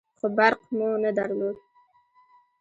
خو برق مو نه درلود.